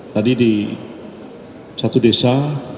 tadi di satu desa